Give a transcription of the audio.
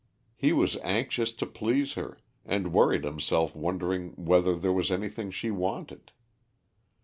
He was anxious to please her, and worried himself wondering whether there was anything she wanted.